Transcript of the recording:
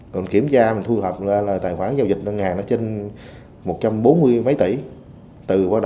còn kiểm tra mình thu hợp ra là tài khoản giao dịch ngân hàng nó trên một trăm bốn mươi mấy tỷ